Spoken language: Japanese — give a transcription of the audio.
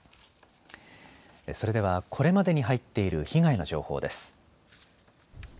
それでは、これまでに入っている被害の情報です。